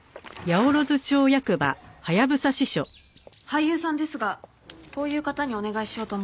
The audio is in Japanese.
俳優さんですがこういう方にお願いしようと思っています。